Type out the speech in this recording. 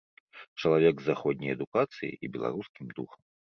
Чалавек з заходняй адукацыяй і беларускім духам.